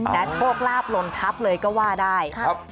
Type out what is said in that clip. โชคลาบลนทับเลยก็ว่าได้นะครับครับ